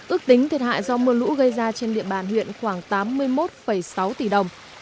ước tính thiệt hại do mưa lũ gây ra trên địa bàn huyện khoảng tám mươi một sáu tỷ đồng